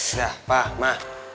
udah pak ma